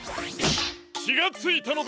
きがついたのです。